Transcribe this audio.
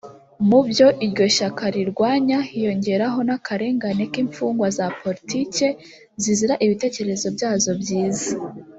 Mu byo iryo shyaka rirwanya hiyongeraho n’akarengane k’imfungwa za politike zizira ibitekerezo byazo byiza